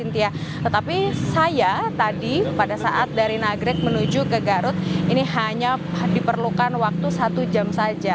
tetapi saya tadi pada saat dari nagrek menuju ke garut ini hanya diperlukan waktu satu jam saja